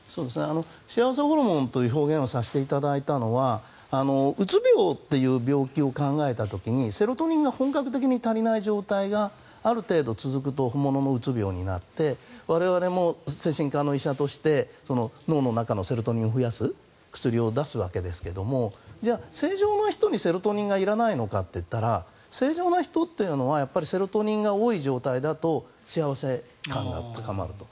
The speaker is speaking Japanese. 幸せホルモンという表現をさせていただいたのはうつ病という病気を考えた時にセロトニンが本格的に足りない状態がある程度続くと本物のうつ病になって我々も精神科の医者として脳の中のセロトニンを増やす薬を出すわけですけれどじゃあ、正常な人にセロトニンがいらないのかといったら正常な人というのはセロトニンが多い状態だと幸せ感が高まると。